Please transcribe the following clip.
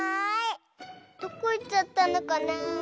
どこいっちゃったのかなあ。